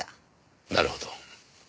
なるほど。